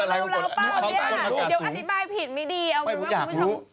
โอ๊ยหนูเรียวร้าวเปล่าเนี่ย